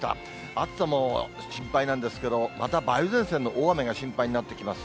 暑さも心配なんですけど、また梅雨前線の大雨が心配になってきます。